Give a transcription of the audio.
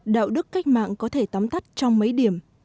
đạo đức cách mạng có thể tóm tắt trong mấy điểm